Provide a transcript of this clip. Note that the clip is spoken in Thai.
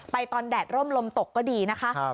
ตอนแดดร่มลมตกก็ดีนะคะ